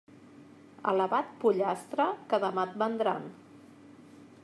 Alaba't, pollastre, que demà et vendran.